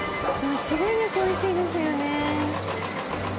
間違いなく美味しいですよね。